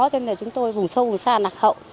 cho nên là chúng tôi vùng sâu vùng xa nạc hậu